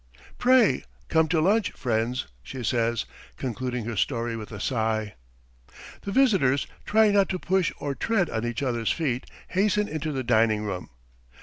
"Pray come to lunch, friends," she says, concluding her story with a sigh. The visitors, trying not to push or tread on each other's feet, hasten into the dining room.